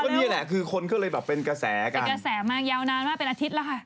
เนี้ยแหละคือคนก็เลยแบบเป็นกระแสกันเป็นกระแสมากเยาว์นานมากเป็นอาทิตย์ใด